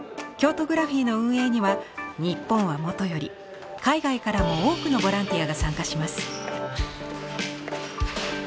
ＫＹＯＴＯＧＲＡＰＨＩＥの運営には日本はもとより海外からも多くのボランティアが参加します。